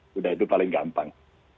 sudah itu paling gampang